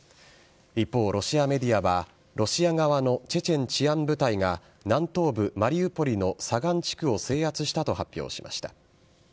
一方、ロシアメディアはロシア側のチェチェン治安部隊が南東部・マリウポリの左岸地区を制圧したと発表しました。